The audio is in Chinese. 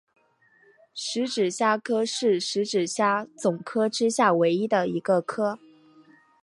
匙指虾科是匙指虾总科之下唯一的一个科。